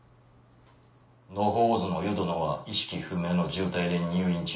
野放図の淀野は意識不明の重体で入院中。